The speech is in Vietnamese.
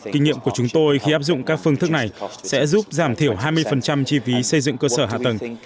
kinh nghiệm của chúng tôi khi áp dụng các phương thức này sẽ giúp giảm thiểu hai mươi chi phí xây dựng cơ sở hạ tầng